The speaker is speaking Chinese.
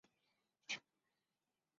故事开端为第一季故事的七年之后。